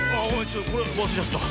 これわすれちゃった。